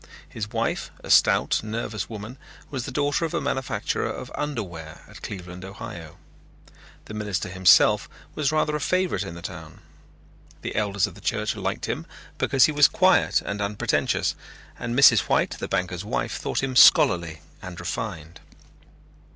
His wife, a stout, nervous woman, was the daughter of a manufacturer of underwear at Cleveland, Ohio. The minister himself was rather a favorite in the town. The elders of the church liked him because he was quiet and unpretentious and Mrs. White, the banker's wife, thought him scholarly and refined.